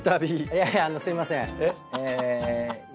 いやいやすいません。